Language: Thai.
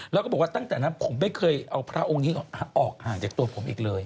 แล้วก็บอกว่าตั้งแต่นั้นผมไม่เคยเอาพระองค์นี้ออกห่างจากตัวผมอีกเลย